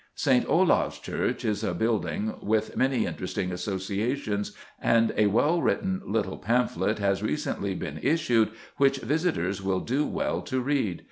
St. Olave's Church is a building with many interesting associations, and a well written little pamphlet has recently been issued which visitors will do well to read.